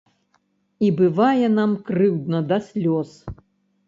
І бывае нам крыўдна да слёз.